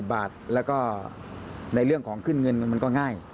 บาทแล้วก็ในเรื่องของขึ้นเงินมันก็ง่าย